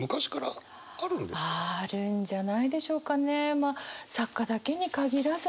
まあ作家だけに限らずね